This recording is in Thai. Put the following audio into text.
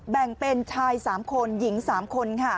แบ่งเป็นชาย๓คนหญิง๓คนค่ะ